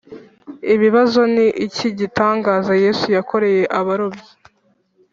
Ibibazo Ni ikihe gitangaza Yesu yakoreye abarobyi